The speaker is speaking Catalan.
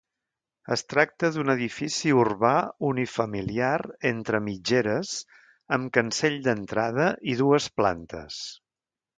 Es tracta d'un edifici urbà unifamiliar entre mitgeres amb cancell d'entrada i dues plantes.